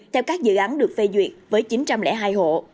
theo các dự án được phê duyệt với chín trăm linh hai hộ